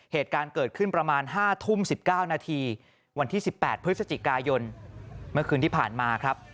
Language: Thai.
เหตุการณ์เกิดขึ้นประมาณ๕ทุ่ม๑๙นาทีวันที่๑๘พฤศจิกายนเมื่อคืนที่ผ่านมาครับ